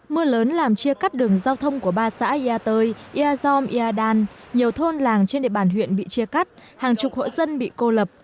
mưa lớn làm chia cắt đường giao thông của ba xã ia tơi ia som ia dan nhiều thôn làng trên địa bàn huyện bị chia cắt hàng chục hộ dân bị cô lập